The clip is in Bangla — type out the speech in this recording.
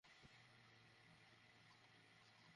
ওকে চেনো কীভাবে?